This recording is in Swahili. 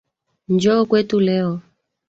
Njoo kwetu leo